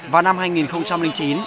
vào năm hai nghìn chín